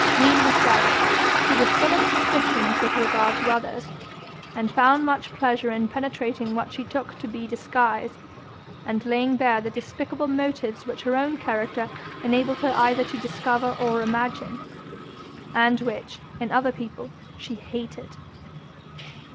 Mean herself, she was full of suspicions with regard to others, and found much pleasure in penetrating what she took to be disguise, and laying bare the despicable motives which her own character enabled her either to discover or imagine, and which, in other people, she hated.